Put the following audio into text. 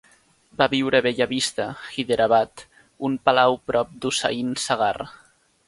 Va viure a Bella Vista, Hyderabad, un palau prop d'Hussain Sagar.